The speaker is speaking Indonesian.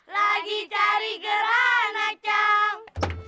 lagi cari geranak cang